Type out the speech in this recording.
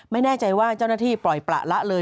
ไม่แน่ใจว่าเจ้าหน้าที่ปล่อยประละเลย